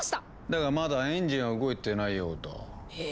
だがまだエンジンは動いてないようだ。え？